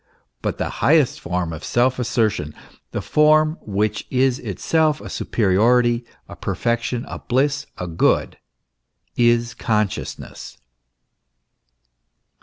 But the highest form of self assertion, the form which is itself a superiority, a perfection, a hliss, a good, is consciousness.